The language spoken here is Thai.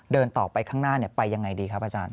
เดินต่อไปข้างหน้าไปยังไงดีครับอาจารย์